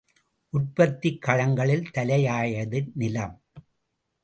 உற்பத்திக் களங்களில் தலையாயது நிலம்.